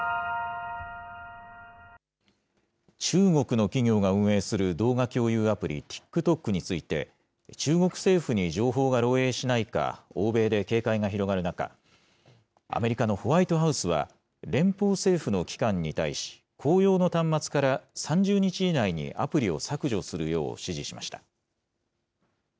中国の企業が運営する動画共有アプリ、ＴｉｋＴｏｋについて、中国政府に情報が漏えいしないか、欧米で警戒が広がる中、アメリカのホワイトハウスは、連邦政府の機関に対し、公用の端末から３０日以内にアプリを削除するよう指示しました。